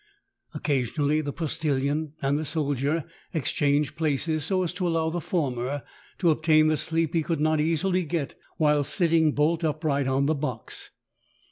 Occasionally the postillion and the soldier exchanged places, so as to allow the former to obtain the sleep he could not easil}^ get while vsit ting bolt upright on the box.